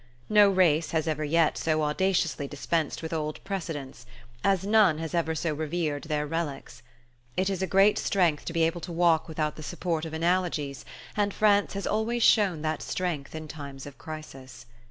No race has ever yet so audaciously dispensed with old precedents; as none has ever so revered their relics. It is a great strength to be able to walk without the support of analogies; and France has always shown that strength in times of crisis.